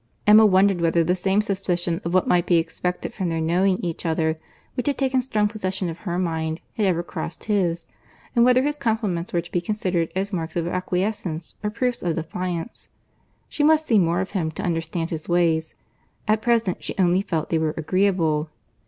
Emma wondered whether the same suspicion of what might be expected from their knowing each other, which had taken strong possession of her mind, had ever crossed his; and whether his compliments were to be considered as marks of acquiescence, or proofs of defiance. She must see more of him to understand his ways; at present she only felt they were agreeable.